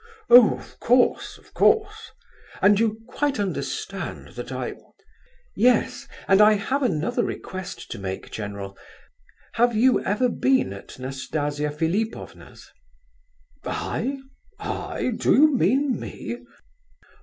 "Oh, of course, of course; and you quite understand that I—" "Yes; and I have another request to make, general. Have you ever been at Nastasia Philipovna's?" "I? I? Do you mean me?